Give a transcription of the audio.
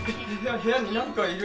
部屋になんかいる！